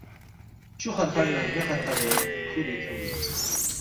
چھُو خرخر نہ مےخرخری فُورے کھیونگمی اِن